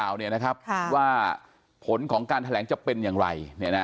ว่าผลของการแถลงจะเป็นอย่างไร